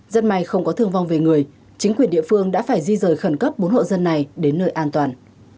rất may không có thương vong về người chính quyền địa phương đã phải di rời khẩn cấp bốn hộ dân này đến nơi an toàn